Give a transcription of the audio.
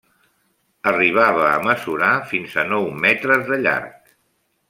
Arribava a mesurar fins a nou metres de llarg.